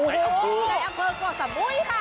ในอำเภอกรสมุยค่ะ